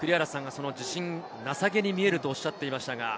自信なさげに見えるとおっしゃっていましたが。